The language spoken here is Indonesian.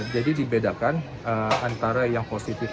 jadi dibedakan antara yang positif